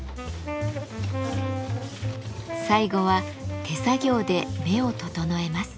最後は手作業で目を整えます。